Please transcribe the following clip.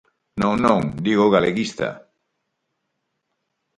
Non, non, digo galeguista.